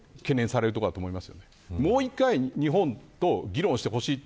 そこが一番懸念されるところだと思います。